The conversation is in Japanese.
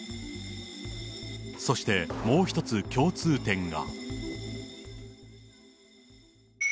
そしてもう１つ共通点が。